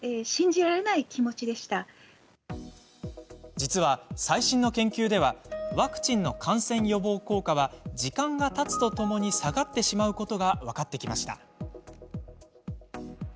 実は、最新の研究ではワクチンの感染予防効果は時間がたつとともに下がってしまうことが分かってきました。